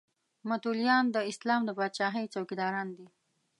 متولیان د اسلام د پاچاهۍ څوکیداران دي.